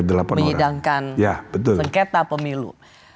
menyidangkan sengketa pemilu